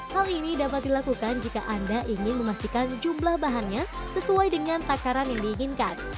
hal ini dapat dilakukan jika anda ingin memastikan jumlah bahannya sesuai dengan takaran yang diinginkan